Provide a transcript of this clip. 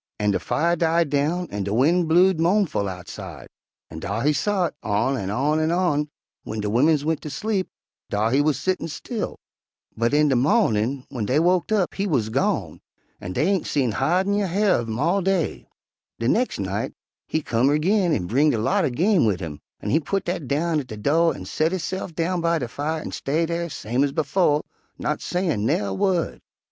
An' de fire died down an' de wind blewed mo'nful outside, an' dar he sot on an' on, an' w'en de wimmins went ter sleep, dar he wuz settin', still. But in de mawnin' w'en dey woked up he wuz gone, an' dey ain' see hya'r ner hide uv 'im all day. "De nex' night he come erg'in and bringed a lot er game wid 'im, an' he putt dat down at de do' an' set hisse'f down by de fire an' stay dar, same ez befo', not sayin' nair' wu'd.